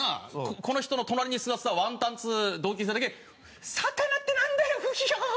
この人の隣に座ってたワンタンっつう同級生だけ「魚ってなんだよ！ウヒョー」って笑いだして。